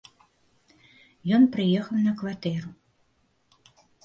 Ён прыехаў на кватэру.